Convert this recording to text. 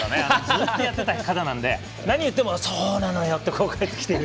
ずっとやってた方なので何言っても、そうなのよって。